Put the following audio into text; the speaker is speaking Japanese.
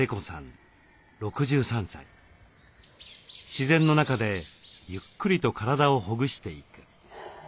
自然の中でゆっくりと体をほぐしていく。